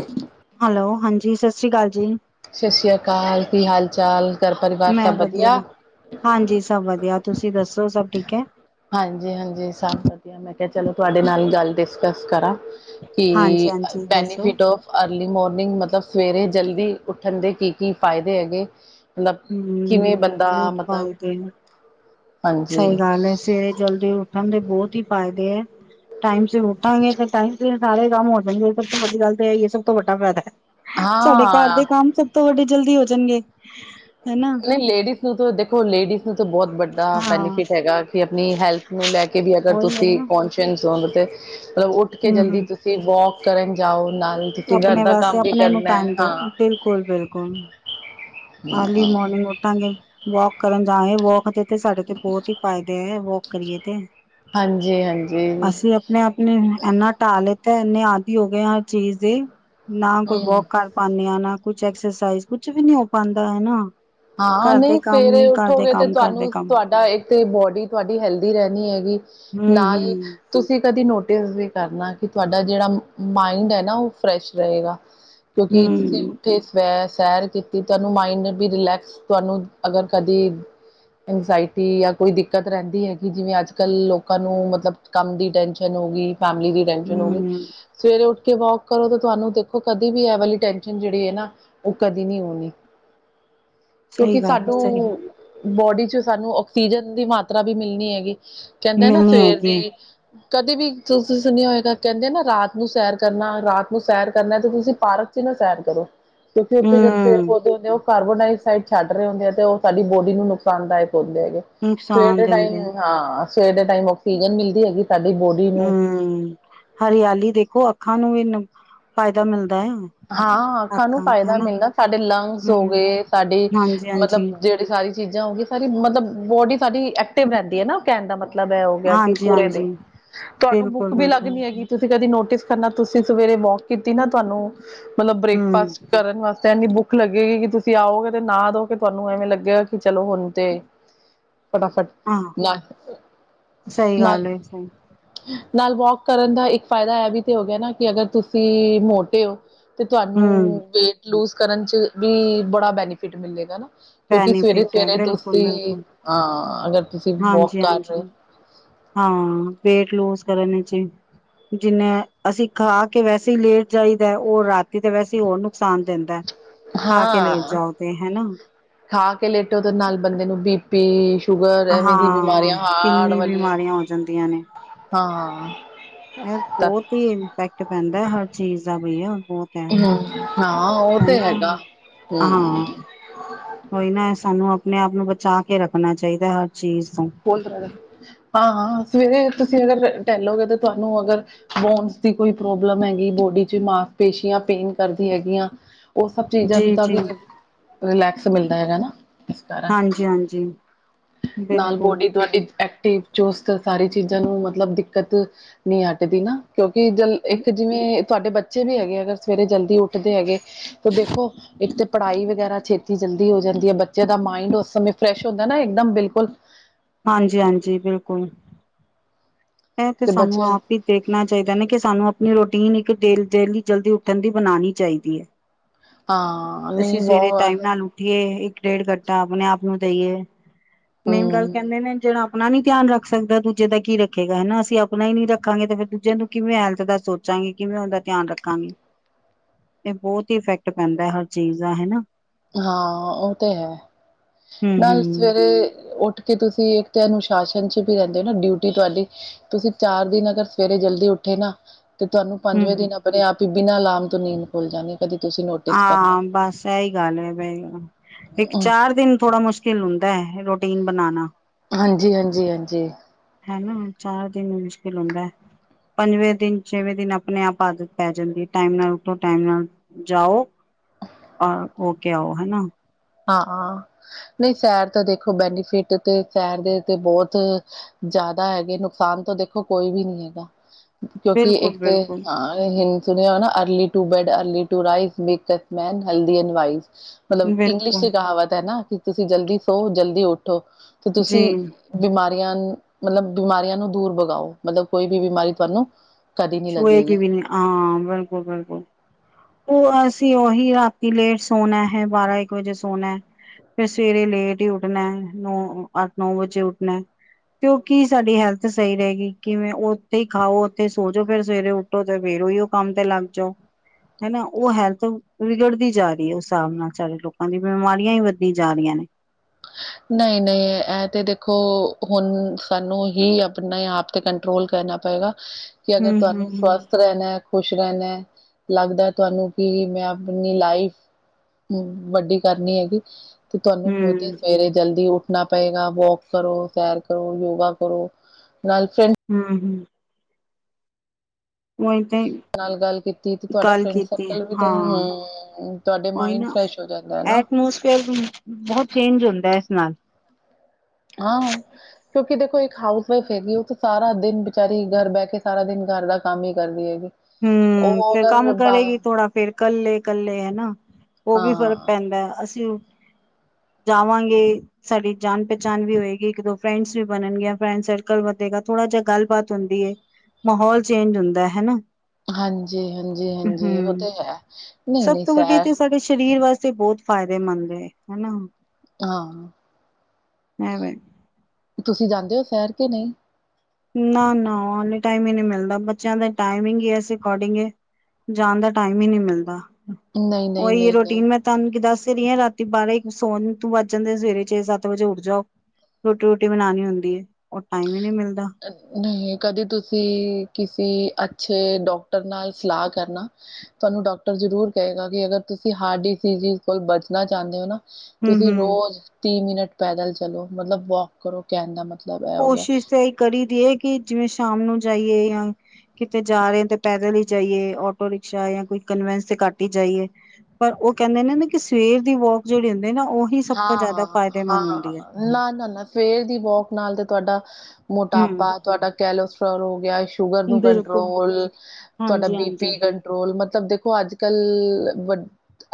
ਹ [unintelligible] ਹੈਲੋ, ਹਾਂਜੀ, ਸਤਿ ਸ਼੍ਰੀ ਅਕਾਲ ਜੀ। ਸਸ਼੍ਰੀ ਅਕਾਲ, ਕੀ ਹਾਲ- ਚਾਲ। ਘਰ ਪਰਿਵਾਰ ਮੈਂ ਸਭ ਵਧੀਆ, ਹਾਂਜੀ ਸਭ ਵਧੀਆ, ਤੁਸੀਂ ਦੱਸੋ ਸਭ ਠੀਕ ਹੈ? ਹਾਂਜੀ- ਹਾਂਜੀ ਸਭ ਵਧੀਆ। ਮੈਂ ਕਿਹਾ, ਚਲੋ ਤੁਹਾਡੇ ਨਾਲ ਗੱਲ ਡਿਸਕਸ ਕਰਾਂ। ਹਾਂਜੀ ਕਿ, ਹਾਂਜੀ ਦੱਸੋ ਬੈਨਫਿਟ ਔਫ ਅਰਲੀ ਮੋਰਨਿੰਗ ਮਤਲਬ ਸਵੇਰੇ ਜਲਦੀ ਉੱਠਣ ਦੇ ਕੀ -ਕੀ ਫਾਇਦੇ ਹੈਗੇ। ਮਤਲਬ, ਕਿਵੇਂ ਹਮ ਬੰਦਾ ਮਤਲਬ ਹਾਂਜੀ ਸਈ ਗੱਲ ਏ, ਸਵੇਰੇ ਜਲਦੀ ਉੱਠਣ ਦੇ ਬੋਤ ਹੀ ਫਾਇਦੇ ਐ। ਟਾਈਮ ਸਿਰ ਉੱਠਾਂਗੇ ਤੇ ਟਾਈਮ ਸ ਸਾਰੇ ਕੰਮ ਹੋ ਜਾਣਗੇ, ਸਭ ਤੋਂ ਵੱਡੀ ਗੱਲ ਤੇ ਇਹ ਹੈ ਸਭ ਤੋਂ ਵੱਡਾ ਫਾਇਦਾ ਹੈ। ਸਾਡੇ ਘਰ ਹਾਂ ਦੇ ਕੰਮ ਸਭ ਤੋਂਡੇ ਜਲਦੀ ਹੋ ਜਾਣਗੇ। ਹਨਾ। ਲੇਡੀਜ਼ ਨੂੰ ਤਾਂ ਦੇਖੋ ਲੇਡੀਜ਼ ਨੂੰ ਤਾਂ ਬਹੁਤ ਵੱਡ ਦਾ ਹਾਂ ਬੈਨੀਫਿਟ ਹੈਗਾ, ਕਿ ਆਪਣੀ ਹੈਲਥ ਨੂੰ ਲੈ ਕੇ ਵੀ ਅਗਰ ਉਹੀ ਹੈ ਤੁਸੀਂ ਨਾ ਕ ਮਤਲਬ ਉੱਠ ਕੇ ਹਮ ਜਲਦੀ ਹਮ ਤੁਸੀਂ ਵੋਕ ਕਰਨ ਜਾਓ, ਨਾਲ ਤੁਸੀਂ ਘਰ ਆਪਣੇ ਦਾ ਵਾਸਤੇ ਕੰਮ ਵੀ ਆਪਣੇ ਨੂੰ ਕਰਨਾ ਟਾਈਮ ਹੈ। ਦੋ ਹਾਂ ਬਿਲਕੁਲ- ਬਿਲਕੁਲ। ਅਰਲੀ ਮੋਰਨਿੰਗ ਉੱਠਾਂਗੇ, ਵੋਕ ਕਰਨ ਜਾ ਵੋਕ ਤੇ ਸਾਡੇ ਤੇ ਬਹੁਤ ਹੀ ਫ਼ਾਇਦੇ ਐ, ਵੋਕ ਕਰੀਏ ਤੇ। ਹਾਂਜੀ- ਹਾਂਜੀ। ਨੇ ਆਪਣੀ ਇਨਾ ਢਾਹ ਲਿੱਤਾ ਇੰਨੇ ਆਦਿ ਹੋ ਗਏ ਹਰ ਚੀਜ਼ ਦੇ, ਨਾ ਕੋਈ ਹਮ ਵੋਕ ਕਰ ਮੰਨਿਆ ਨਾ, ਕੁਝ ਐਕਸਰਸਾਈਜ਼ ਕੁਝ ਵੀ ਨਹੀਂ ਹੋ ਪਾਂਦਾ ਨਾ ਹੈ ਨਾ। ਹਾਂ, ਘਰ ਦੇ ਨਹੀਂ ਕੰਮ ਸਵੇਰੇ ਹੀ ਘਰ ਦੇ ਉੱਠੋਗੇ ਤੇ ਕੰਮ ਕਰਦੇ ਤੁਹਾਨੂੰ ਕੰਮ ਤੁਹਾਡਾ ਇੱਕ ਤੇ ਬੋਡੀ ਤੁਹਾਡੀ ਹੈਲਦੀ ਰਹਿਣੀ ਹੈਗੀ। ਹੂ- ਹੂ ਨਾਲ ਤੁਸੀਂ ਕਦੇ ਨੋਟਿਸ ਵੀ ਕਰਨਾ ਕਿ, ਤੁਹਾਡਾ ਜਿਹੜਾ ਮਾਇੰਡ ਹੈ ਨਾ ਉਹ ਫਰੈਸ਼ ਰਹੇਗਾ। ਕਿਉਂਕਿ ਤੁਸੀਂ ਹਮ ਉੱਠੇ ਸਵੈ ਸੈਰ ਕੀਤੀ ਤੁਹਾਨੂੰ ਮਾਇੰਡ ਵੀ ਰਿਲੈਕਸ ਤੁਹਾਨੂੰ ਅਗਰ ਕਦੇ ਇੰਗਜ਼ਾਇਟੀ ਜਾਂ ਕੋਈ ਦਿੱਕਤ ਰਹਿੰਦੀ ਹੈਗੀ ਜਿਵੇਂ ਅੱਜ ਕੱਲ੍ਹ ਲੋਕਾਂ ਨੂੰ ਮਤਲਬ ਕੰਮ ਦੀ ਟੈਂਨਸ਼ਨ ਹੋ ਗਈ। ਫੈਮਲੀ ਦੀ ਟੈਂਸ਼ਨ ਹੋ ਗਈ। ਹਮ ਸਵੇਰੇ ਉਠ ਕਿ ਵੋਕ ਕਰੋ ਤਾਂ ਤੁਹਾਨੂੰ ਦੇਖੋ ਕਦੇ ਵੀ ਇਹ ਵਾਲੀ ਟੈਨਸ਼ਨ ਜਿਹੜੀ ਹੈ ਨਾ, ਉਹ ਕਦੇ ਨਹੀ ਹੋਣੀ। ਕਿਉਂਕਿ ਸਹੀ ਗੱਲ ਹੈ, ਸਹੀ ਗੱਲ ਸਾਨੂੰ ਬੋਡੀ ਚ' ਸਾਨੂੰ ਆਕਸੀਜਨ ਦੀ ਮਾਤਰਾ ਵੀ ਮਿਲਣੀ ਹੈਗੀ। ਕਹਿੰਦੇ ਨਾ ਮਿਲਣੀ ਸਵੇਰ ਹੈਗੀ ਹੈ ਦੀ ਕਦੇ ਵੀ ਤੁਸੀਂ ਸੁਣਿਆ ਹੋਏਗਾ ਕਹਿੰਦੇ ਨਾ ਰਾਤ ਨੂੰ ਸੈਰ ਕਰਨਾ, ਰਾਤ ਨੂੰ ਸੈਰ ਕਰਨਾ ਤੇ ਤੁਸੀਂ ਪਾਰਕ ਨੂੰ ਸੈਰ ਕਰੋ। ਕਿਉਂਕਿ ਉੱਥੇ ਜਦ ਪੇੜ ਹਮ -ਪੋਦੇ ਹੁੰਦੇ ਉਹ ਕਾਰਬੋ ਡਕ ਸਡ ਛੱਡ ਰਹੇ ਹੁੰਦੇ ਆ ਤੇ ਉਹ ਸਾਡੀ ਬੋਡੀ ਨੂੰ ਨੁਕਸਾਨਦਾਇਕ ਹੁੰਦੇ ਹੈਗੇ। ਸਵੇਰ ਨੁਕਸਾਨ ਦੇ ਦਿੰਦੇ ਟਾਈਮ, ਹਾਂ। ਸਵੇਰ ਦੇ ਟਾਈਮ ਆਕਸੀਜਨ ਮਿਲਦੀ ਹੈਗੀ ਸਾਡੀ ਬੋਡੀ ਨੂੰ। ਹਮ। ਹਰਿਆਲੀ ਦੇਖੋ ਅੱਖਾਂ ਨੂੰ ਵੀ ਫਾਇਦਾ ਮਿਲਦਾ ਹੈ। ਹਾਂ। ਅੱਖਾਂ ਨੂੰ ਫ਼ਾਇਦਾ ਮਿਲਦਾ ਸਾਡੇ ਲੰਗਸ ਹੋ ਹੂੰ, ਗਏ, ਸਾਡੀ ਹਾਂਜੀ-ਹਾਂਜੀ, ਮਤਲਬ ਜਿੇ ਸਾਰੀ ਚੀਜ਼ਾਂ ਹੋ ਗਈ ਸਾਰੀ ਮਤਲਬ ਬੋਡੀ ਸਾਡੀ ਐਕਟਿਵ ਰਹਿੰਦੀ ਹੈ ਨਾ। ਕਹਿਣ ਦਾ ਮਤਲਬ ਇਹ ਹੋ ਗਿਆ ਕਿ ਪੂਰੇ ਹਾਂਜੀ-ਹਾਂਜੀ, ਦੇ, ਤੁਹਾਨੂੰ ਬੁਕ ਵੀ ਲੱਗ ਬਿਲਕੁਲ-ਬਿਲਕੁਲ। ਨੀ ਹੈਗੀ, ਤੁਸੀਂ ਕਦੀ ਨੋਟਿਸ ਕਰਨਾ ਤੁਸੀਂ ਸਵੇਰੇ ਵੋਕ ਕੀਤੀ ਨਾ ਤੁਹਾਨੂੰ ਮਤਲਬ ਹੂੰ, ਬ੍ਰੇਕਫਾਸਟ, ਕਰਨ ਵਾਸਤੇ ਇੰਨੀ ਭੁੱਖ ਲੱਗੇਗੀ ਕਿ ਤੁਸੀਂ ਆਓਗੇ ਤੇ ਨਹਾ ਧੋ ਕੇ ਦੋਗੇ ਕਿ ਤੁਹਾਨੂੰ ਐਵੇਂ ਲੱਗੇਗਾ ਕਿ ਚਲੋ ਹੁਣ ਤੇ ਫਟਾਫਟ ਹਾਂ ਨਾ, ਸਹੀ ਨਾ ਗੱਲ ਏ ਸਹੀ ਨਾਲ ਵੋਕ ਕਰਨ ਦਾ ਇੱਕ ਫਾਇਦਾ ਇਹ ਵੀ ਤੇ ਹੋ ਗਿਆ ਨਾ ਕਿ ਅਗਰ ਤੁਸੀਂ ਮੋਟੇ ਹੋ, ਤੇ ਤੁਹਾਨੂੰ ਹੂੰ, ਵੇਟ ਲੂਜ ਕਰਨ ਚ ਵੀ ਬੜਾ ਬੈਨੀਫਿਟ ਮਿਲੇਗਾ ਨਾ, ਕਿਉਂਕਿ ਸਵੇਰੇ ਬੈਨੀਫਿਟ ਹੈ ਸਵੇਰੇ ਤੁਸੀਂ ਬਿਲਕੁਲ-ਬਿਲਕੁਲ। ਅਹ ਅਗਰ ਤੁਸੀਂ ਵੋਕ ਕਰ ਰਹੇ ਹੋ। ਹਾਂਜੀ-ਹਾਂਜੀ, ਹਾਂ, ਵੇਟ ਲੂਜ ਕਰਨ ਚ ਜਿੰਨੇ ਅਸੀਂ ਖਾ ਕੇ ਵੈਸੇ ਹੀ ਲੇਟ ਜਾਈਦਾ ਉਹ ਰਾਤੀ ਤੇ ਵੈਸੇ ਹੀ ਹੋਰ ਨੁਕਸਾਨ ਦਿੰ ਹੁੰਦਾ, ਖਾ ਕੇ ਲੈਟ ਹਾਂ ਜਾਓ ਤੇ ਹਨਾ, ਖਾ ਕੇ ਲੇਟੋ ਤੇ ਨਾਲ ਬੰਦੇ ਨੂੰ ਬੀ ਪੀ, ਸ਼ੂਗਰ ਐਵੇਂ ਦੀ ਹਾਂ ਬਿਮਾਰੀਆਂ ਹਾਰਟ ਕਿੰਨੀ ਵਾਲੀ, ਬਿਮਾਰੀਆਂ ਹੋ ਜਾਂਦੀਆਂ ਨੇ। ਹਾਂ। ਇਹ ਤ ਬਹੁਤ ਹੀ ਇੰਪੈਕਟ ਪੈਂਦਾ ਹਰ ਚੀਜ਼ ਦਾ ਬਈਆ ਬਹੁਤ ਹੈ ਹੂੰ, ਹਾਂ ਉਹ ਤੇ ਹਨਾ। ਹੈਗਾ, ਹੂੰ। ਉਈ ਨਾ ਸਾਨੂੰ ਆਪਣੇ ਆਪ ਨੂੰ ਬਚਾ ਕੇ ਰੱਖਣਾ ਚਾਹੀਦਾ ਹਰ ਚੀਜ਼ ਤੋਂ, ਹਾਂ, ਸਵੇਰੇ ਤੁਸੀਂ ਅਗਰ ਟਹਿਲੋਗੇ ਤਾਂ ਤੁਹਾਨੂੰ ਅਗਰ, ਬੋਨਸ ਦੀ ਕੋਈ ਪ੍ਰੋਬਲਮ ਹੈਗੀ ਬੋਡੀ ਚ ਮਾਫ਼ ਪੇਸ਼ੀਆਂ ਪੇਨ ਕਰਦੀ ਹੈਗੀਆ। ਉਹ ਸਭ ਚੀਜ਼ਾਂ ਜੀ ਤਾਂ ਵੀ ਜੀ। ਰਿਲੈਕਸ ਮਿਲਦਾ ਹੈਗਾ ਨਾ ਇਸ ਕਾਰਨ ਹਾਂਜੀ-ਹਾਂਜੀ। ਨਾਲ ਬੋਡੀ ਤੁਹਾਡੀ ਐਕਟਿਵ, ਚੁਸਤ ਸਾਰੀ ਚੀਜ਼ਾਂ ਨੂੰ ਮਤਲਬ ਦਿੱਕਤ ਨੀ ਹਟਦੀ ਨਾ ਕਿਉਂਕਿ ਜਲ ਇੱਕ ਜਿਵੇਂ ਤੁਹਾਡੇ ਬੱਚੇ ਵੀ ਹੈਗੇ ਅਗਰ ਸਵੇਰੇ ਜਲਦੀ ਉੱਠਦੇ ਹੈਗੇ ਤਾਂ ਦੇਖੋ, ਇੱਕ ਤੇ ਪੜਾਈ ਵਗੈਰਾ ਛੇਤੀ ਜਲਦੀ ਹੋ ਜਾਂਦੀ ਹੈ ਬੱਚਿਆਂ ਦਾ ਮਾਇੰਡ ਉਸ ਸਮੇਂ ਫਰੈਸ਼ ਹੁੰਦਾ ਨਾ ਇਕਦਮ ਬਿਲਕੁਲ, ਹਾਂਜੀ-ਹਾਂਜੀ, ਬਿਲਕੁਲ। ਇਹ ਤੇ ਸਾਨੂੰ ਆਪ ਹੀ ਦੇਖਣਾ ਚਾਹੀਦਾ ਹੈ ਨਾ ਕਿ ਸਾਨੂੰ ਆਪਣੀ ਰੋਟੀਨ ਇੱਕ ਡੇ ਡੇਲੀ ਜਲਦੀ ਉੱਠਣ ਦੀ ਬਣਾਉਣੀ ਚਾਹੀਦੀ ਹੈ। ਹਾਂ ਅਸੀਂ ਨਹੀਂ ਸਵੇਰੇ ਬਹੁਤ ਟਾਈਮ ਨਾਲ ਉੱਠੀਏ ਇੱਕ ਡੇਢ ਘੰਟਾ ਆਪਣੇ ਆਪ ਨੂੰ ਦੇਈਏ, ਮੇਨ ਗੱਲ ਹਮ ਕਹਿੰਦੇ ਨੇ ਜਿਹੜਾ ਆਪਣਾ ਨੀ ਧਿਆਨ ਰੱਖ ਸਕਦਾ, ਦੂਜੇ ਦਾ ਕੀ ਰੱਖ ਰੱਖੇਗਾ ਹਨਾ ਅਸੀਂ ਆਪਣਾ ਹੀ ਨੀ ਰੱਖਾਂਗੇ ਤੇ ਫਿਰ ਦੂਜਿਆਂ ਨੂੰ ਕਿਵੇਂ ਹੈਲਥ ਦਾ ਸੋਚਾਂਗੇ ਕਿਵੇਂ ਉਹਦਾ ਧਿਆਨ ਰੱਖਾਂਗੇ। [inaudible] ਇਹ ਬਹੁਤ ਹੀ ਇਫੈਕਟ ਪੈਂਦਾ ਹਰ ਚੀਜ਼ ਦਾ ਹੈ ਨਾ। ਹਾਂ, ਉਹ ਤੇ ਹੈ, ਹੂੰ ਹੂੰ ਨਾਲ ਸਵੇਰੇ ਉੱਠ ਕਿ ਤੁਸੀਂ ਇੱਕ ਤੇ ਅਨੁਸ਼ਾਸਨ ਚ ਵੀ ਰਹਿੰਦੇ ਹੋ ਨਾ ਡਿਊਟੀ ਤੁਹਾਡੀ, ਤੁਸੀਂ ਚਾਰ ਦਿਨ ਅਗਰ ਸਵੇਰੇ ਜਲਦੀ ਉੱਠੇ ਨਾ, ਤੇ ਤੁਹਾਨੂੰ ਹੂੰ ਪੰਜਵੇਂ ਹੂੰ। ਦਿਨ ਆਪਣੇ ਆਪ ਹੀ ਬਿਨਾਂ ਅਲਮ ਤੋਂ ਨੀਂਦ ਭੁੱਲ ਜਾਂਦੀ ਕਦੀ ਤੁਸੀਂ ਨੋਟਿਸ ਕਰਨਾ ਹਾਂ ਬਸ ਇਹੀ ਗੱਲ ਹੈ ਵੇ, ਇੱਕ ਚਾਰ ਦਿਨ ਥੋੜਾ ਮੁਸ਼ਕਿਲ ਕਿਲ ਹੁੰਦਾ ਹੈ ਰੋਟੀਨ ਬਣਾਉਣਾ, ਹਾਂਜੀ, ਹਾਂਜੀ, ਹਾਂਜੀ। ਹਨਾ ਚਾਰ ਦਿਨ ਮੁਸ਼ਕਿਲ ਹੁੰਦਾ, ਪੰਜਵੇਂ ਦਿਨ ਛੇਵੇਂ ਦਿਨ ਆਪਣੇ ਆਪ ਆਦਤ ਪੈ ਜਾਂਦੀ ਹੈ ਟਾਈਮ ਨਾਲ ਉੱਠੋ ਟਾਈਮ ਨਾਲ, ਜਾਓ, ਰ ਹੋ ਕੇ ਆਓ ਹਨਾ। ਹਾਂ, ਹਾਂ, ਨਹੀਂ ਸੈਰ ਤਾਂ ਦੇਖੋ ਬੈਨੀਫਿਟ ਤੇ ਸੈਰ ਦੇ ਤੇ ਬਹੁਤ ਜ਼ਿਆਦਾ ਹੈਗੇ ਨੁਕਸਾਨ ਤੋਂ ਦੇਖੋ ਕੋਈ ਵੀ ਨੀ ਹੈਗਾ, ਕਿਉਂਕਿ ਬਿਲਕੁਲ ਇੱਕ ਤਾਂ ਬਿਲਕੁਲ ਅ ਸੁਣਿਆ ਨਾ, early to bed early to rise makes that man healthy and wise. ਮਤਲਬ ਇੰਗਲਿਸ਼ ਚ ਬਿਲਕੁਲ ਕਹਾਵਤ ਹੈ ਨਾ ਕਿ ਤੁਸੀਂ ਜਲਦੀ ਸੋ ਜਲਦੀ ਉੱਠੋ ਤੇ ਜੀ ਤੁਸੀਂ ਬਿਮਾਰੀਆਂ ਮਤਲਬ ਬਿਮਾਰੀਆਂ ਨੂੰ ਦੂਰ ਬਗਾਓ ਮਤਲਬ ਕੋਈ ਵੀ ਬਿਮਾਰੀ ਤੁਹਾਨੂੰ, ਕਦੀ ਨਹੀਂ ਛੁਏ ਕਿ ਲੱਗੇਗੀ ਵੀ ਨਹੀਂ ਹਾਂ, ਬਿਲਕੁਲ, ਬਿਲਕੁਲ। ਉਹ ਅਸੀਂ ਉਹੀ ਰਾਤੀ ਲੇਟ ਸੋਣਾ ਹੈ, ਬਾਰਾਂ, ਇੱਕ ਵਜੇ ਸੋਣਾ ਹੈ। ਫਿਰ ਸਵੇਰੇ ਲੇਟ ਹੀ ਉੱਠਣਾ ਨੌ, ਅੱਠ, ਨੌ ਵਜੇ ਉੱਠਣਾ। ਤੇ ਉਹ ਕੀ ਸਾਡੀ ਹੈਲਥ ਸਹੀ ਰਹੇਗੀ ਕਿਵੇਂ ਉੱਥੇ ਹੀ, ਖਾਓ ਉੱਥੇ ਸੋ। ਜੋ ਫੇਰ ਸਵੇਰੇ ਉੱਠੋ ਤੇ ਫੇਰ ਹੀ ਉਹ ਕੰਮ ਤੇ ਲੱਗ ਜਾਓ। ਹਨਾ ਉਹ ਹੈਲਥ ਵਿਗੜਦੀ ਜਾ ਰਹੀ ਹੈ ਉਸ ਹਿਸਾਬ ਨਾਲ ਸਾਰੇ ਲੋਕਾਂ ਦੀ ਬਿਮਾਰੀਆਂ ਹੀ ਵੱਧਦੀ ਜਾ ਰਹੀਆਂ ਨੇ ਨਹੀਂ -ਨਹੀਂ ਇਹ ਤੇ ਦੇਖੋ ਹੁਣ ਸਾਨੂੰ ਹੀ ਆਪਣੇ ਆਪ ਤੇ ਕੰਟਰੋਲ ਕਰਨਾ ਪਏਗਾ ਕਿ ਅਗਰ ਹਮ ਤੁਹਾਨੂੰ ਹਮ ਹਮ ਸਵਸਥ ਰਹਿਣਾ ਖੁਸ਼ ਰਹਦਾ ਹੈ ਲੱਗਦਾ ਤੁਹਾਨੂੰ ਕਿ ਮੈਂ ਆਪਣੀ ਲਾਈਫ ਹਮ ਵੱਡੀ ਕਰਨੀ ਹੈਗੀ ਤੇ ਤੁਹਾਨੂੰ ਖੁਦ ਹੀ। ਹਮ ਸਵੇਰੇ ਜਲਦੀ ਉੱਠਣਾ ਪਏਗਾ ਵੋਕ ਕਰੋ ਸੈਰ ਕਰੋ ਯੋਗਾ ਕਰੋ ਨਾਲ ਫਰਡ ਹਮ -ਹਮ ਵਨ ਤੇ ਨਾਲ ਗੱਲ ਕੀਤੀ ਤੇ ਤੁਹਾਡਾ ਗੱਲ ਫਰੈਂਡ ਕੀਤੀ ਸਰਕਲ ਵੀ ਤੇ ਹਾਂ ਹਮ ਤੁਹਾਡੇ ਮਾਇੰਡ ਫਰੈਸ਼ ਹੋ ਜਾਂਦਾ ਹੈ ਨਾ। ੋਸਫੇਅਰ ਬਹੁਤ ਚੇਂਜ ਹੁੰਦਾ ਹੈ ਇਸ ਨਾਲ ਹਾਂ। ਕਿਉਂਕਿ ਦੇਖੋ ਇੱਕ ਹਾਊਸ ਵਾਈਫ ਹੈਗੀ ਉਹ ਤਾਂ ਸਾਰਾ ਦਿਨ ਬਚਾਰੀ ਘਰ ਬਹਿ ਕੇ ਸਾਰਾ ਦਿਨ ਘਰ ਦਾ ਕੰਮ ਹੀ ਕਰਦੀ ਹੈਗੀ ਹਮ ਉਹ ਫੇਰ ਅਗਰ ਕੰਮ ਬਾ ਕਰੇਗੀ ਥੋੜਾ ਫੇਰ ਕੱਲੇ ਕੱਲੇ ਹਨਾ ਉਹ ਵੀ ਫ਼ਰਕ ਹਾਂ, ਪੈਂਦਾ ਹੈ ਅਸੀਂ ਜਾਵਾਂਗੇ ਸਾਡੀ ਜਾਣ ਪਹਿਚਾਣ ਵੀ ਹੋਏਗੀ ਇੱਕ ਦੋ ਫਰੈਂਡਸ ਵੀ ਬਣਨਗੀਆਂ ਫਰੈਂਡ ਸਰਕਲ ਵਧੇਗਾ ਥੋੜਾ ਜਿਹਾ ਗੱਲਬਾਤ ਹੁੰਦੀ ਹੈ ਮਾਹੌਲ ਚੇਂਜ ਹੁੰਦਾ ਹਨਾ ਹਾਂਜੀ- ਹਾਂਜੀ। ਹਾਂਜੀ ਉਹ ਹਮ ਤੇ ਹੈ। ਨਹੀਂ, ਸਭ ਨਹੀਂ ਤੋਂ ਵੱਡੀ ਸੈਰ ਤੇ ਸਾਡੇ ਸਰੀਰ ਵਾਸਤੇ ਬਹੁਤ ਫਾਇਦੇਮੰਦ ਹੈ ਹਨਾ ਹਾਂ। ਹੈ ਬ ਤੁਸੀਂ, ਜਾਂਦੇ ਹੋ ਸੈਰ ਕੇ ਨਹੀਂ। ਨਾ -ਨਾ ਟਾਈਮ ਹੀ ਨਹੀਂ ਮਿਲਦਾ ਬੱਚਿਆਂ ਦਾ ਟਾਈਮਿੰਗ ਇਸ ਅਕੋਰਡਿੰਗ ਜਾਣ ਦਾ ਟਾਈਮ ਹੀ ਨਹੀਂ ਮਿਲਦਾ ਨਹੀਂ, ਨਹੀਂ, ਉਹੀ ਨਹੀਂ, ਨਹੀਂ। ਰੋਟੀਨ ਮੈਂ। ਤੁਹਾਨੂੰ ਦੱਸ ਹੀ ਰਹੀ ਆ ਰਾਤੀ ਬਾਰਾਂ ਸੋਣ ਤੂੰ ਵੱਜ ਜਾਂਦੇ ਸਵੇਰੇ ਛੇ ਸੱਤ ਵਜੇ ਉੱਠ ਜਾਓ ਰੋਟੀ- ਰੋਟੀ ਬਣਾਉਣੀ ਹੁੰਦੀ ਹੈ ਉਹ ਟਾਈਮ ਹੀ ਨਹੀਂ ਮਿਲਦਾ ਨਹੀਂ ਕਦੇ ਤੁਸੀਂ ਕਿਸੇ ਅੱਛੇ ਡਾਕਟਰ ਨਾਲ ਸਲਾਹ ਕਰਨਾ ਤੁਹਾਨੂੰ ਡਾਕਟਰ ਜ਼ਰੂਰ ਕਹੇਗਾ ਕਿ ਅਗਰ ਤੁਸੀਂ ਹਾਰਟ ਡਿਸੀ ਕੋਲ ਬਚਣਾ ਚਾਹੁੰਦੇ ਹੋ ਨਾ ਹਮ ਤੁਸੀਂ ਹਮ ਰੋਜ਼ ਤੀਹ ਮਿੰਟ ਪੈਦਲ ਚਲੋ ਮਤਲਬ ਵੋਕ ਕਰੋ ਕਹਿਣ ਦਾ ਮਤਲਬ ਇਹ ਹੋ ਗਿਆ ਕੋਸ਼ਿਸ਼ ਤਾਂ ਇਹ ਕਰੀ ਦੀਏ ਕਿ ਜਿਵੇਂ ਸ਼ਾਮ ਨੂੰ ਜਾਈਏ ਜਾਂ ਕਿਤੇ ਜਾ ਰਹੇ ਤੇ ਪੈਦਲ ਹੀ ਜਾਈਏ ਆਟੋ ਰਿਕਸ਼ਾ ਜਾਂ ਕੋਈ ਕਨਵੈਂਸ ਤੇ ਘੱਟ ਹੀ ਜਾਈਏ ਪਰ ਉਹ ਕਹਿੰਦੇ ਨੇ ਨਾ ਕਿ ਸਵੇਰ ਦੀ ਵੋਕ ਜਿਹੜੀ ਹੁੰਦੀ ਨਾ ਉਹੀ ਸਭ ਤੋਂ ਹਾਂ ਜ਼ਿਆਦਾ ਫਾਇਦੇਮੰਦ ਹਾਂ ਹੁੰਦੀ ਹੈ। ਨਾ, ਨਾ, ਨਾ ਸਵੇਰ ਦੀ ਵੋਕ ਨਾਲ ਤੇ ਤੁਹਾਡਾ ਮੋਟਾਪਾ ਹੂੰ, ਤੁਹਾਡਾ ਕੈਲਸਟ੍ਰੋਲ ਹੋ ਗਿਆ। ਸ਼ੂਗਰ ਨੂੰ ਬਿਲਕੁਲ ਕੰਟਰੋਲ ਤੁਹਾਡਾ ਬੀ ਹਾਂਜੀ-ਹਾਂਜੀ। ਪੀ ਕੰ ਪੈਟਰੋਲ ਮਤਲਬ ਦੇਖੋ ਅੱਜ ਕੱਲ ਵ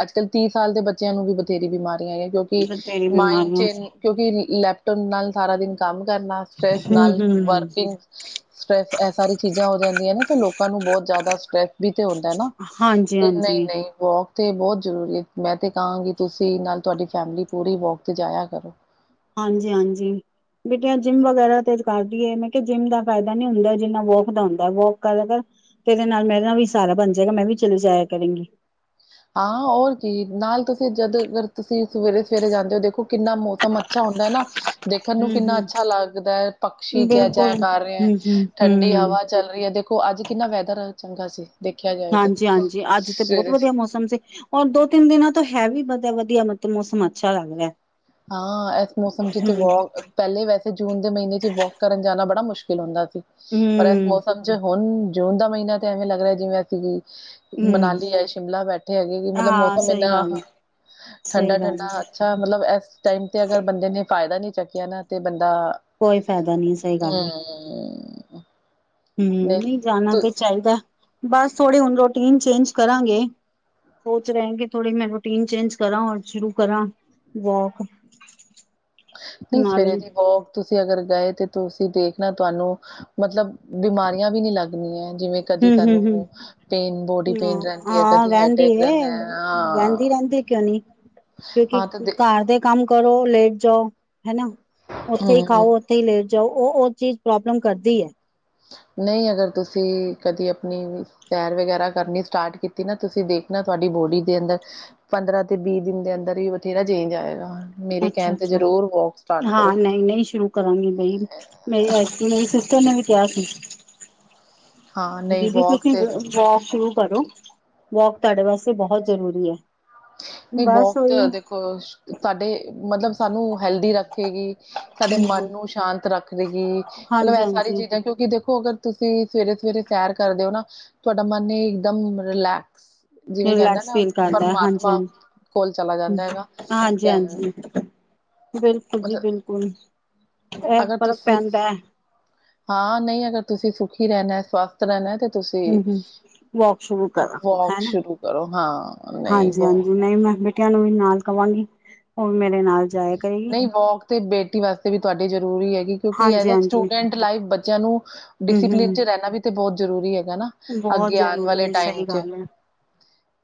ਅੱਜ ਕਲ੍ਹ ਤੀਹ ਸਾਲ ਦੇ ਬੱਚਿਆਂ ਨੂੰ ਵੀ ਬਥੇਰੀ ਬਿਮਾਰੀਆਂ ਆਈ ਕਿਉਂਕਿ ਬਥੇਰੀ ਮਾਇੰਡ 'ਚ ਬਿਮਾਰੀਆਂ ਸੇ ਕਿਉਕਿ ਲੈਪਟੋਪ ਨਾਲ ਸਾਰਾ ਦਿਨ ਕੰਮ ਕਰਨਾ ਸਟਰੈਸ ਨਾਲ ਹੂੰ-ਹੂੰ ਵਰਕਿੰਗ ਸਟਰ੍ਰੈਸ ਇਹ ਸਾਰੀ ਚੀਜ਼ਾਂ ਹੋ ਜਾਂਦੀਆਂ ਨੇ ਤੇ ਲੋਕਾਂ ਨੂੰ ਬਹੁਤ ਜ਼ਿਆਦਾ ਸਟਰ੍ਰੈਸ ਵੀ ਤੇ ਹੁੰਦਾ ਨਾ ਹਾਂਜੀ ਤੇ -ਹਾਂਜੀ। ਨਹੀਂ-ਨਹੀਂ ਵੋਕ ਤੇ ਬਹੁਤ ਜ਼ਰੂਰੀ ਹੈ। ਮੈਂ ਤੇ ਕਹਾਂਗੀ ਤੁਸੀਂ ਨਾਲ ਤੁਹਾਡੀ ਫੈਮਿਲੀ ਪੂਰੀ ਵੋਕ ਤੇ ਜਾਇਆ ਕਰੋ। ਹਾਂਜੀ -ਹਾਂਜੀ। ਬੇਟੀਆਂ ਜਿੰਮ ਵਗੈਰਾ ਤੇ ਕਰਦੀ ਹੈ ਮੈਂ ਕਿਹਾ ਜਿੰਮ ਦਾ ਫਾਇਦਾ ਨੀ ਹੁੰਦਾ ਜਿੰਨਾ ਵੋਕ ਦਾ ਹੁੰਦਾ ਵੋਕ ਕਰ- ਕਰ ਤੇਰੇ ਨਾਲ ਮੇਰੇ ਨਾਲ ਵੀ ਸਹਾਰਾ ਬਣ ਜਾਏਗਾ। ਮੈਂ ਵੀ ਚਲੇ ਜਾਇਆ ਕਰੇਗੀ। ਹਾਂ! ਹੋਰ ਕੀ ਨਾਲ ਤੁਸੀਂ ਜਦ ਅਰ ਤੁਸੀਂ ਸਵੇਰੇ -ਸਵੇਰੇ ਜਾਂਦੇ ਹੋ, ਦੇਖੋ ਕਿੰਨਾ ਮੌਸਮ ਅੱਛਾ ਹੁੰਦਾ ਨਾ। ਦੇਖਣ ਨੂੰ ਕਿੰਨਾ ਹੂੰ-ਹੂੰ ਅੱਛਾ ਲੱਗਦਾ ਹੈ, ਪਕਸ਼ੀ ਚੈ ਬਿਲਕੁਲ -ਚੈ ਕਰ ਰਿਹਾ ਹੂੰ ਹੂੰ ਠੰਡੀ ਹੂੰ ਹਵਾ। ਚੱਲ ਰਹੀ ਹੈ, ਦੇਖੋ ਅੱਜ ਕਿੰਨਾ ਵੈਦਰ ਚੰਗਾ ਸੀ। ਦੇਖਿਆ ਜਾਏ ਤੇ ਹਾਂਜੀ- ਹਾਂਜੀ ਅੱਜ ਤੇ ਬਹੁਤ ਸਵੇਰੇ ਸ ਵਧੀਆ ਮੌਸਮ ਸੀ ਔਰ ਦੋ ਤਿੰਨ ਦਿਨਾਂ ਤੋਂ ਹੈ ਵੀ ਵਧੀਆ ਵਧੀਆ ਮਤਲਬ ਮੌਸਮ ਅੱਛਾ ਹੋਇਆ ਪਿਆ ਹੈ ਹਾਂ ਇਸ ਮੌਸਮ ਚ ਬਹੁਤ ਪਹਿਲੇ ਵੈਸੇ ਜੂਨ ਦੇ ਮਹੀਨੇ ਚ ਵੋਕ ਕਰਨ ਜਾਣਾ ਬੜਾ ਮੁਸ਼ਕਿਲ ਹੁੰਦਾ ਸੀ ਪਰ ਹੂੰ ਮੌਸਮ ਚ ਹੁਣ ਜੂਨ ਦਾ ਮਹੀਨਾ ਤੇ ਐਵੇਂ ਲੱਗਦਾ ਜਿਵੇਂ ਅਸੀਂ ਵੀ ਹੂੰ ਮਨਾਲੀ ਹੈ ਸ਼ਿਮਲਾ ਬੈਠੇ ਹੈਗੇ ਕਿ ਮਤਲੱਬ ਹਾਂ ਮੌਸਮ ਸਹੀ ਇੰਨਾ ਗੱਲ ਹੈ ਠੰਡਾ ਸਹੀ ਗੱਲ ਠੰਡਾ ਹੈ ਮਤਲੱਬ ਇਸ ਟਾਈਮ ਤੇ ਅਗਰ ਬੰਦੇ ਨੇ ਫਾਇਦਾ ਨੀ ਚੁੱਕਿਆ ਨਾ ਤੇ ਬੰਦਾ ਕੋਈ ਫਾਇਦਾ ਨਹੀਂ ਸਹੀ ਗੱਲ ਹੈ। ਹਮ [unintelligible] ਹਮ, ਨਹੀਂ ਜਾਣਾ ਤੇ ਚਾਹੀਦਾ ਬਸ ਥੋੜੀ ਹੁਣ ਰੋਟੀਨ ਚੇਂਜ ਕਰਾਂਗੇ ਸੋਚ ਰਹੇ ਕਿ ਥੌੜੀ ਮੈਂ ਰੂਟੀਨ ਚੇਂਜ ਕਰਾਂ ਔਰ ਸ਼ੁਰੂ ਕਰਾਂ ਵੋਕ ਨਹੀਂ ਸਵੇਰੇ ਨਾਲੇ ਦੀ ਵੋਕ ਤੁਸੀਂ ਅਗਰ ਗਏ ਤੇ ਤੁਸੀਂ ਦੇਖਣਾ ਤੁਹਾਨੂੰ ਮਤਲਬ ਬਿਮਾਰੀਆਂ ਵੀ ਨੀ ਲੱਗਦੀਆਂ ਜਿਵੇਂ। ਕਦੀ ਹੂੰ ਹੂੰ ਹੂੰ ਤੁਹਾਨੂੰ ਪੇਨ ਬੋਡੀ ਪੇਨ ਰਹਿੰਦੀ ਹੈ, ਹਾਂ ਕਦੀ ਰਹਿੰਦੀ ਹੈਡਕ ਰਹਿੰਦਾ ਹੈ ਰਹਿੰਦੀ ਹਾਂ? ਰਹਿੰਦੀ ਕਿਉਂ ਨੀ ਕਿਉਂਕਿ ਹਾਂ ਤੇ ਘਰ ਦੇ ਕੰਮ ਕਰੋ ਲੇਟ ਜਾਓ ਹਨਾ ਉੱਥੇ ਹੀ ਹਮ ਖਾਓ ਉਥੇ ਹੀ ਲੈਟ ਜਾਓ ਉਹ ਉਹ ਚੀਜ਼ ਪ੍ਰੋਬਲਮ ਕਰਦੀ ਹੈ ਨਹੀਂ ਅਗਰ ਤੁਸੀਂ ਕਦੀ ਆਪਣੀ ਪੈਰ ਵਗੈਰਾ ਕਰਨੀ ਸਟਾਰਟ ਕੀਤੀ ਨਾ ਤੁਸੀਂ ਦੇਖਣਾ ਤੁਹਾਡੀ ਬੋਡੀ ਦੇ ਅੰਦਰ ਪੰਦਰਾਂ ਤੇ ਵੀਹ ਦਿਨ ਦੇ ਅੰਦਰ ਹੀ ਬਥੇਰਾ ਚੇਂਜ ਆਏਗਾ। ਮੇਰੇ ਅੱਛਾ ਕਹਿਣ ਤੇ ਅੱਛਾ ਜ਼ਰੂਰ ਵੋਕ ਸਟਾਰਟ ਕਰੋ। ਹਾਂ ਨਹੀਂ ਨਹੀਂ ਸ਼ੁਰੂ ਕਰਾਂਗੀ ਬਈ ਮੇਰੀ ਐਤਕੀ ਮੇਰੀ ਸਿਸਟਰ ਨੇ ਵੀ ਕਿਹਾ ਸੀ। ਹਾਂ ਨਹੀਂ ਦੀਦੀ ਵੋਕ ਤੁਸੀਂ ਤੇ ਵੋਕ ਸ਼ੁਰੂ ਕਰੋ, ਵੋਕ ਤੁਹਾਡੇ ਵਾਸਤੇ ਬਹੁਤ ਜ਼ਰੂਰੀ ਹੈ। ਨਹੀਂ ਬਸ ਵੋਕ ਤੇ ਇਹ ਉਹੀ ਦੇਖੋ ਤਾਡੇ ਮਤਲਬ ਸਾਨੂੰ ਹੈਲਦੀ ਰੱਖੇਗੀ। ਸਾਡੇ ਮਨ ਨੂੰ ਸ਼ਾਂਤ ਰੱਖ ਦੇਗੀ ਮਤਲੱਬ ਹਾਂਜੀ ਇਹ ਸਾਰੀ ਹਾਂਜੀ ਚੀਜ਼ਾਂ ਕਿਉਂਕਿ ਦੇਖੋ ਅਗਰ ਤੁਸੀਂ ਸਵੇਰੇ ਸਵੇਰੇ ਸੈਰ ਕਰਦੇ ਹੋ ਨਾ ਤੁਹਾਡਾ ਮਨ ਹੀ ਇੱਕਦਮ ਰਿਲੈਕਸ ਜਿਵੇਂ ਕਹਿੰਦਾ ਰਿਲੈਕਸ ਨਾ ਫੀਲ ਕਰਦਾ ਹੈ ਹਾਂਜੀ ਪਰਮਾਤਮਾ ਕੋਲ ਚਲਾ ਜਾਂਦਾ ਹੈਗਾ ਹਾਂਜੀ ਕਹਿ ਹਾਂਜੀ ਬਿਲਕੁਲ ਜੀ ਮਤਲਬ ਬਿਲਕੁਲ ਐਸ ਅਗਰ ਫਰਕ ਤੁਸੀਂ ਪੈਂਦਾ ਹੈ। ਹਾਂ, ਨਹੀਂ ਅਗਰ ਤੁਸੀਂ ਸੁਖੀ ਰਹਿਣਾ ਸਵਥ ਸਵਸਥ ਰਹਿਣਾ ਤੁਸੀਂ ਹਮ ਹਮ ਵੋਕ ਸ਼ੁਰੂ ਵੋਕ ਸ਼ੁਰੂ ਕਰੋ ਹਾਂ। ਨਹੀਂ ਹਾਂਜੀ- ਵੋਕ ਹਾਂਜੀ ਨਹੀਂ ਮੈਂ ਬਿਟਿਆਂ ਨੂੰ ਵੀ ਨਾਲ ਕਵਾਂਗੀ ਹੋਣ ਮੇਰੇ ਨਾਲ ਚਲ ਨਹੀਂ ਵੋਕ ਤੇ ਬੇਟੀ ਵਾਸਤੇ ਵੀ ਤੁਹਾਡੀ ਜ਼ਰੂਰੀ ਹੈ ਕਿ ਕਿਉਂਕਿ ਐਜ ਆ ਹਾਂਜੀ-ਹਾਂਜੀ ਸਟੂਡੈਂਟ ਲਾਈਫ ਬੱਚਿਆਂ ਨੂੰ ਡਿਸਪਲਿਨ ਚ ਹੂੰ-ਹੂੰ ਰਹਿਣਾ ਵੀ ਤੇ ਬਹੁਤ ਜ਼ਰੂਰੀ ਹੈਗਾ ਨਾ ਬਹੁਤ ਅੱਗੇ ਆਉਣ ਜ਼ਰੂਰੀ ਵਾਲੇ ਹੈ ਟਾਈਮ ਸਹੀ ਚ ਗੱਲ ਹੈ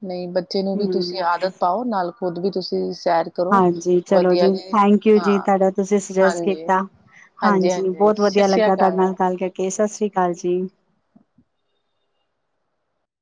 ਨਹੀਂ ਬੱਚੇ ਨੂੰ ਵੀ ਤੁਸੀਂ ਹੂੰ ਆਦਤ ਪਾਓ ਨਾਲ ਖੁੱਦ ਵੀ ਤੁਸੀਂ ਸੈਰ ਕਰੋ ਹਾਂਜੀ, ਚਲੋ ਜੀ ਵਧੀਆ ਥੈਂਕ ਯੂ ਜੀ ਹਾਂ ਤੁਹਾਡਾ ਤੁਸੀਂ ਸੁਜੈਸਟ ਹਾਂਜੀ। ਕੀਤਾ। ਹਾਂਜੀ, ਹਾਂਜੀ-ਹਾਂਜੀ ਬਹੁਤ ਸਤਿ ਵਧੀਆ ਸ਼੍ਰੀ ਲੱਗਾ ਤੁਹਾਡੇ ਨਾਲ ਅਕਾਲ। ਗਲ ਕਰਕੇ। ਸਤਿ ਸ੍ਰੀ ਅਕਾਲ ਜੀ।